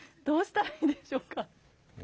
どうしたらいいでしょうか？